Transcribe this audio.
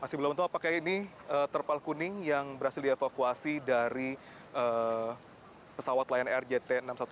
masih belum tentu apakah ini terpal kuning yang berhasil dievakuasi dari pesawat lion air jt enam ratus sepuluh